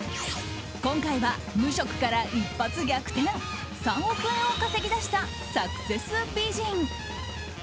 今回は、無職から一発逆転３億円を稼ぎ出したサクセス美人。